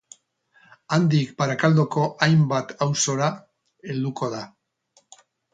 Handik Barakaldoko hainbat auzora helduko da.